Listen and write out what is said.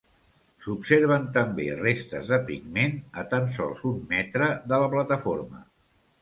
S'observen també restes de pigment a tan sols un metre de la plataforma.